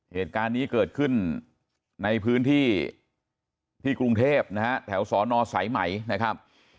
เหตุการณ์นี้เกิดขึ้นในพื้นที่ที่กรุงเทพนะฮะแถวสนสายไหมนะครับ